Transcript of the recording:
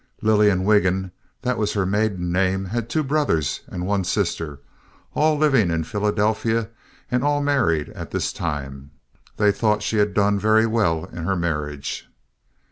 Lillian Wiggin, that was her maiden name—had two brothers and one sister, all living in Philadelphia and all married at this time. They thought she had done very well in her marriage.